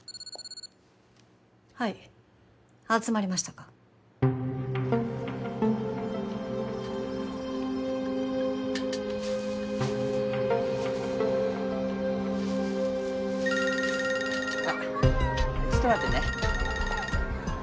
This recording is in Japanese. はい集まりましたかちょっと待ってね